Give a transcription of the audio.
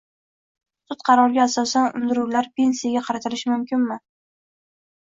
Sud qaroriga asosan undiruvlar pensiyaga qaratilishi mumkinmi?